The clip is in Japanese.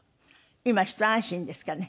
今ひと安心ですかね。